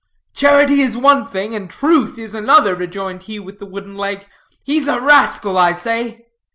"Charity is one thing, and truth is another," rejoined he with the wooden leg: "he's a rascal, I say."